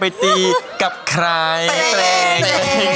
พ่มโผออกมาจากฉาก